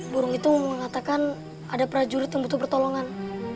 burung itu mengatakan ada prajurit yang butuh pertolongan